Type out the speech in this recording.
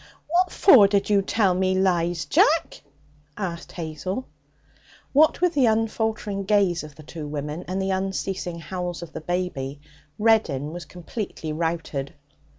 'What for did you tell me lies, Jack?' asked Hazel. What with the unfaltering gaze of the two women, and the unceasing howls of the baby, Reddin was completely routed.